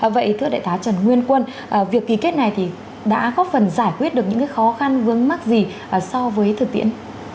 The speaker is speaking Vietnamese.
vậy thưa đại tá trần nguyên quân việc ký kết này thì đã góp phần giải quyết được những khó khăn vướng mắc gì so với thực tiễn